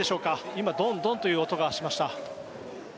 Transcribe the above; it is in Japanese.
今、ドンドンという音がしました。